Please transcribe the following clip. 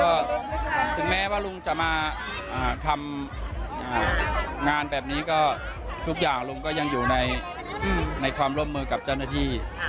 ก็ถึงแม้ว่าลุงจะมาทำงานแบบนี้ก็ทุกอย่างลุงก็ยังอยู่ในความร่วมมือกับเจ้าหน้าที่